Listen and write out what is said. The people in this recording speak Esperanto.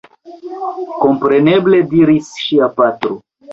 Kompreneble! diris ŝia patro.